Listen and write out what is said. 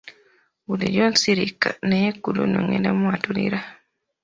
Bulijjo nsirika naye ku luno ngenda mwatulira.